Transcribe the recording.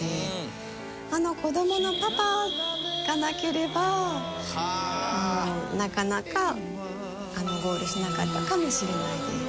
あの子どもの「パパ」がなければなかなかゴールしなかったかもしれないです。